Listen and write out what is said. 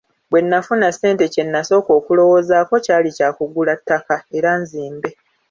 Bwe nafuna ssente, kye nasooka okulowoozaako kyali kya kugula ttaka era nzimbe.